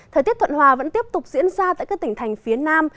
thời tiết thuận hòa vẫn tiếp tục diễn ra tại các tỉnh thành phía nam